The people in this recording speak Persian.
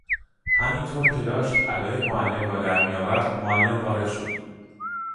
همین طور که داشت ادای معلم را در میآورد معلم وارد شد!